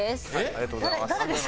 ありがとうございます。